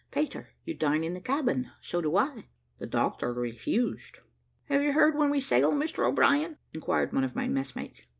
Peter, you dine in the cabin, so do I the doctor refused." "Have you heard when we sail, Mr O'Brien?" inquired one of my messmates.